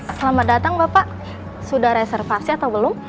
selamat datang bapak sudah reservasi atau belum